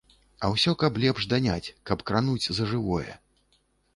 А ўсё, каб лепш даняць, каб крануць за жывое.